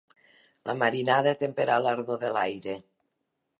La marinada ha temperat l'ardor de l'aire.